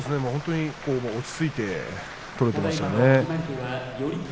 落ち着いて取っていましたね。